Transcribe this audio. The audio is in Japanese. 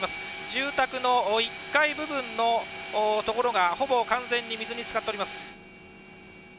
住宅の１階部分のところがほぼ完全に水につかっております。